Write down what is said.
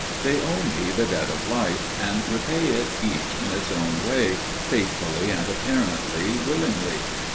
They owe me the debt of life, and repay it each in its own way, faithfully and apparently willingly.